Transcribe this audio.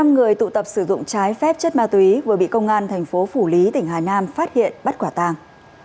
một mươi năm người tụ tập sử dụng trái phép chất ma túy vừa bị công an tp phủ lý tỉnh hà nam phát hiện bắt quả tàng